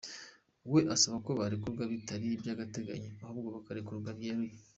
We asaba ko barekurwa bitari iby ‘agateganyo, ahubwo barekurwa byeruye.